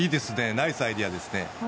ナイスアイデアですね。